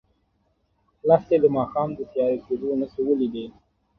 لښتې د ماښام د تیاره کېدو نښې ولیدې.